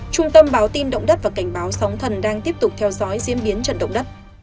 trung tâm báo tin động đất và cảnh báo sóng thần đang tiếp tục theo dõi diễn biến trận động đất